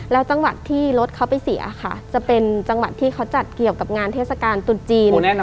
แล้วจังหวัดที่รถเขาไปเสียค่ะจะเป็นจังหวัดที่เขาจัดเกี่ยวกับงานเทศกาลตุดจีน